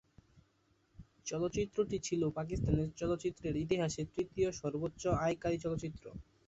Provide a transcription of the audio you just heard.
চলচ্চিত্রটি ছিলো পাকিস্তানের চলচ্চিত্রের ইতিহাসে তৃতীয় সর্বোচ্চ আয়কারী চলচ্চিত্র।